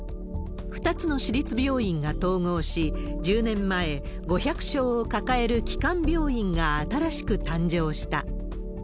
２つの市立病院が統合し、１０年前、５００床を抱える基幹病院が新しく誕生した。